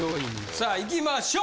さあいきましょう。